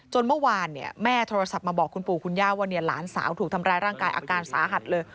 เมื่อวานแม่โทรศัพท์มาบอกคุณปู่คุณย่าว่าหลานสาวถูกทำร้ายร่างกายอาการสาหัสเลย